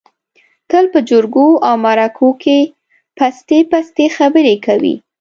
تل په جرگو او مرکو کې پستې پستې خبرې کوي.